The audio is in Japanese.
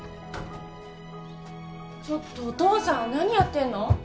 ちょっとお父さん何やってんの？